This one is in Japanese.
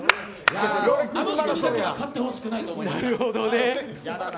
あの人にだけは勝ってほしくないと思います。